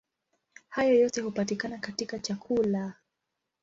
Hayo yote hupatikana katika chakula.